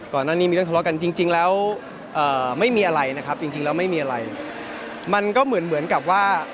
ถลอดโอนเงินกันหมด๓๔๑ตอนหน้านี้ไม่ได้แค่เก่งภาพโรงการับการธรรมนำ